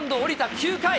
９回。